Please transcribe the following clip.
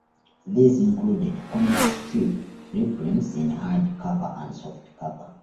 These included comic strip reprints in hard cover and soft cover.